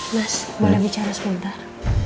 mas boleh bicara sebentar